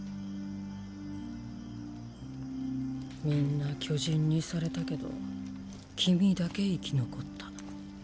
みんな巨人にされたけど君だけ生き残った。